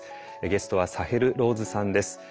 ゲストはサヘル・ローズさんです。